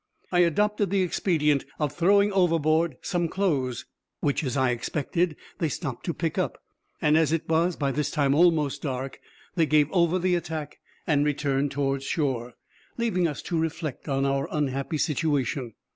I adopted the expedient of throwing overboard some clothes, which, as I expected, they stopped to pick up; and as it was by this time almost dark, they gave over the attack, and returned towards the shore, leaving us to reflect on our unhappy situation.